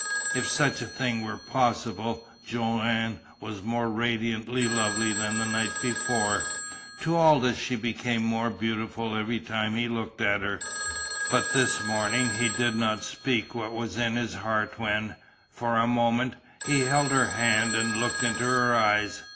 If such a thing were possible Joanne was more radiantly lovely than the night before. To Aldous she became more beautiful every time he looked at her. But this morning he did not speak what was in his heart when, for a moment, he held her hand, and looked into her eyes.